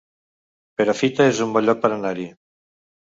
Perafita es un bon lloc per anar-hi